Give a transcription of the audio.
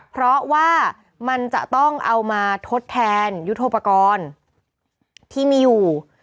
เพราะว่ามันจะต้องเอามาทดแทนยุทธโปรกรณ์ที่มีอยู่